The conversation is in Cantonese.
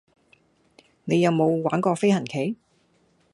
你有無玩過飛行棋